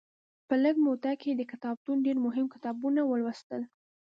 په لږه موده کې یې د کتابتون ډېر مهم کتابونه ولوستل.